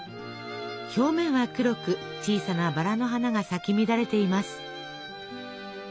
表面は黒く小さなバラの花が咲き乱れています。